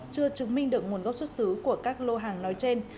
chưa chứng minh được nguồn gốc xuất xứ của các lô hàng nói trên